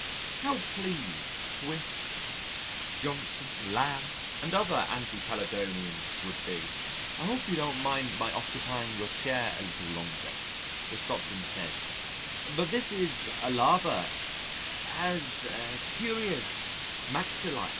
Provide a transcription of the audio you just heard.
"How pleased Swift, Johnson, Lamb, and other anti Caledonians would be...." "Hope you don't mind my occupying your chair a little longer," the Scotchman said, "but this is a larva, has curious maxillæ...."